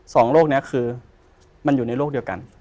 สองโลกนี้คือมันอยู่ในโลกเดียวกัน